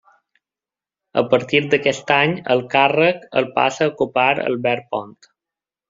A partir d'aquest any, el càrrec el passà a ocupar Albert Pont.